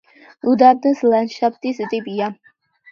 უდაბნოს ლანდშაფტის ტიპია.